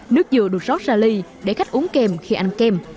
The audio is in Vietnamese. các dừa được rót ra ly để khách uống kem khi ăn kem